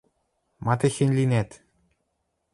Ма техень линӓт?